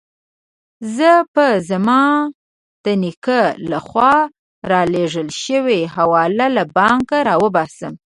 زه به زما د نیکه له خوا رالېږل شوې حواله له بانکه راوباسم.